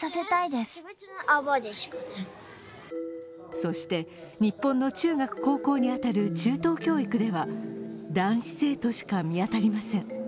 そして、日本の中学、高校に当たる中等教育では男子生徒しか見当たりません。